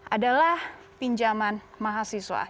adalah pinjaman mahasiswa